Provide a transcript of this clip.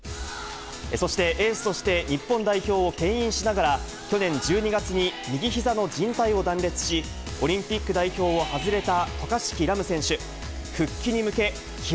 そしてエースとして日本代表をけん引しながら、去年１２月に右ひざのじん帯を断裂し、オリンピック代表を外れた渡嘉敷来夢選手。